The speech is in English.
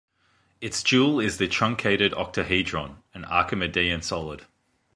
Its dual is the truncated octahedron, an Archimedean solid.